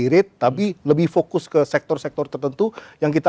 tidak hanya bi rate tapi lebih fokus ke sektor sektor tertentu nomor l drums m universe